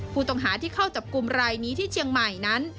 ผู้ต้องหาที่เข้าจับกลุ่มรายนี้ที่เชียงใหม่นั้น